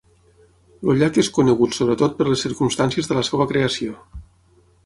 El llac és conegut sobretot per les circumstàncies de la seva creació.